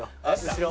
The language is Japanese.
後ろ。